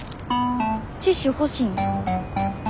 ティッシュ欲しいん？